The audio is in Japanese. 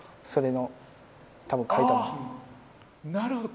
なるほど。